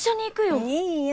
いいよ